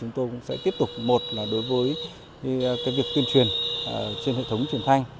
trên cơ sở đó chúng tôi sẽ tiếp tục một là đối với việc tuyên truyền trên hệ thống truyền thanh